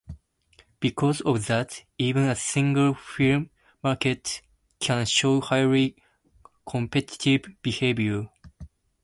Because of that, even a single-firm market can show highly competitive behavior.